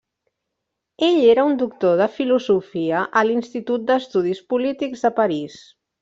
Ell era un Doctor de Filosofia a l'Institut d'Estudis Polítics de París.